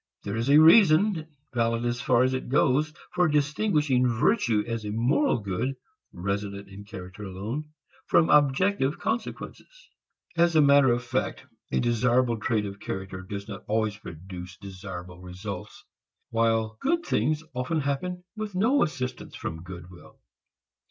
There is a reason, valid as far as it goes, for distinguishing virtue as a moral good resident in character alone, from objective consequences. As matter of fact, a desirable trait of character does not always produce desirable results while good things often happen with no assistance from good will.